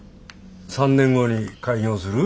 ３年後に開業する？